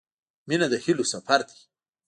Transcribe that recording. • مینه د هیلو سفر دی.